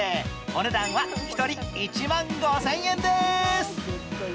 お値段は１人１万５０００円です。